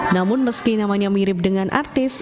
namun meski namanya mirip dengan artis